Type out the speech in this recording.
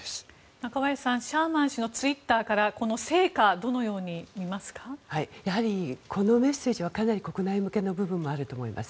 中林さん、シャーマン氏のツイッターからこのメッセージはかなり国内向けの部分もあると思います。